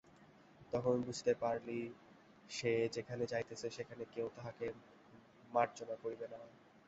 তখন বুঝিতে পারিল, সে যেখানে যাইতেছে, সেখানে কেহ তাহাকে মার্জনা করিবে না।